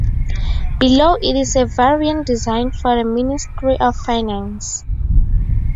Below it is a variant design for the Ministry of Finance.